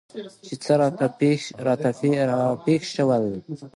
چې څه راته راپېښ شول؟